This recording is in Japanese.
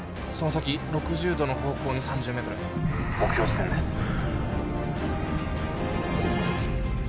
その先６０度の方向に３０メートル目標地点です